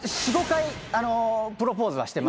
４５回プロポーズはしてます。